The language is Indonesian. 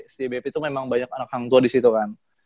setia bp tuh memang banyak anak hang tuah disitu kan